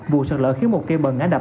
vụ sạt lỡ khiến một cây bần ngã đập